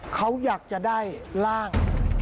เขาอยากจะได้ร่าง